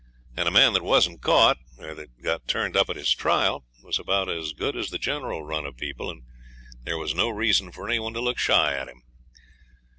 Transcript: And a man that wasn't caught, or that got turned up at his trial, was about as good as the general run of people; and there was no reason for any one to look shy at him.